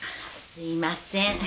すいません。